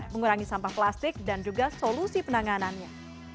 mengurangi sampah plastik dan juga solusi penanganannya